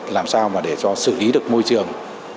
làm sao mà để cho xử lý được môi trường